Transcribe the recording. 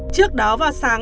trước đó vào sáng